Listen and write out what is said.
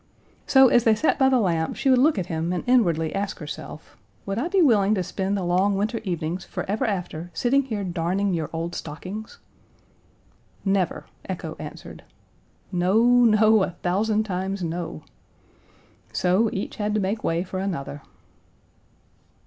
So, as they sat by the lamp she would look at him and inwardly ask herself, "Would I be willing to spend the long winter evenings forever after sitting here darning your old stockings?" Never, echo answered. No, no, a thousand times no. So, each had to make way for another.